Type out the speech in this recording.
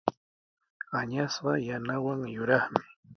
Añasqa yanawan yuraqmi.